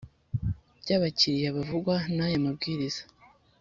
By abakiriya bavugwa n aya mabwiriza